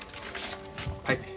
はい。